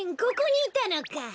ここにいたのか。